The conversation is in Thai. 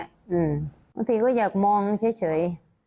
บางทีก็อยากมองเฉย